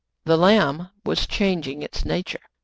The lamb was changing its nature.